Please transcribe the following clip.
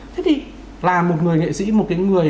thế thì là một người nghệ sĩ một người